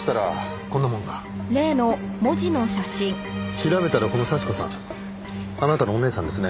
調べたらこの幸子さんあなたのお姉さんですね？